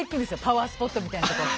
パワースポットみたいなところ。